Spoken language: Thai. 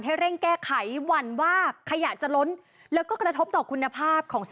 ให้เร่งแก้ไขหวั่นว่าขยะจะล้นแล้วก็กระทบต่อคุณภาพของ